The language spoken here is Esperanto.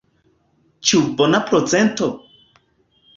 Ĉu bona procento?